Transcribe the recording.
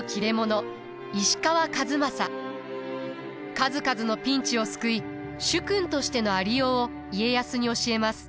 数々のピンチを救い主君としてのありようを家康に教えます。